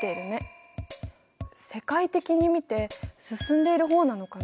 世界的に見て進んでいるほうなのかな。